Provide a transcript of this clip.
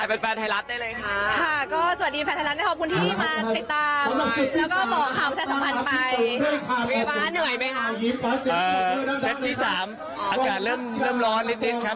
เอ่อเสร็จที่๓อาจารย์เริ่มร้อนนิดครับ